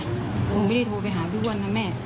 ผมไม่ได้โทรไปหาพี่อ้วนนะแม่